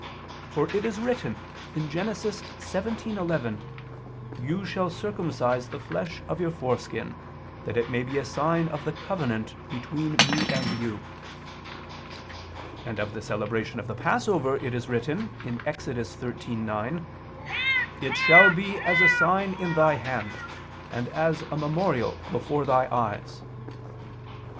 For it is written (Gen. 17:11): "You shall circumcise the flesh of your foreskin, that it may be a sign of the covenant between Me and you": and of the celebration of the Passover it is written (Ex. 13:9): "It shall be as a sign in thy hand, and as a memorial before thy eyes."